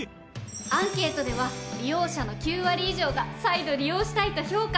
アンケートでは利用者の９割以上が「再度利用したい」と評価。